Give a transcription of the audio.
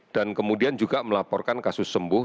dan kemudian juga melaporkan kasus sembuh